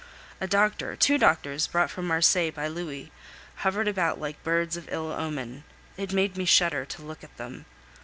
A doctor, two doctors, brought from Marseilles by Louis, hovered about like birds of ill omen; it made me shudder to look at them.